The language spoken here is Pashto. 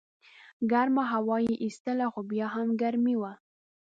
ګرمه هوا یې ایستله خو بیا هم ګرمي وه.